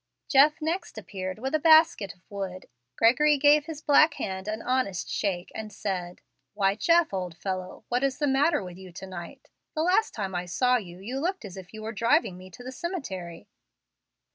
Jeff next appeared with a basket of wood. Gregory gave his black hand an honest shake, and said, "Why, Jeff, old fellow, what is the matter with you to night? The last time I saw you you looked as if you were driving me to the cemetery."